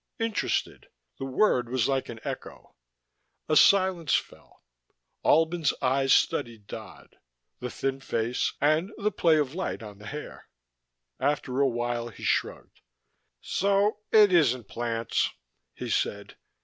"Interested." The word was like an echo. A silence fell. Albin's eyes studied Dodd, the thin face and the play of light on the hair. After a while he shrugged. "So it isn't plants," he said.